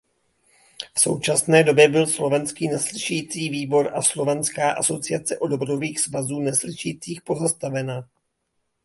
V současné době byl slovenský neslyšící výbor a Slovenská asociace odborových svazů neslyšících pozastavena.